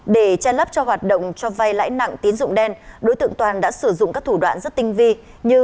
để trai lắp cho hoạt động cho vai lãi nặng tiến dụng đen đối tượng toàn đã sử dụng các thủ đoạn rất tinh vi như